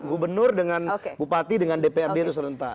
gubernur dengan bupati dengan dprd itu serentak